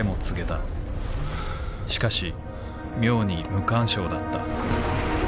しかし妙に無感傷だった。